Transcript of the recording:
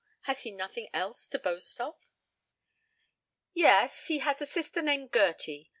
Has he nothing else to boast of?" "Yes; he has a sister named Gerty.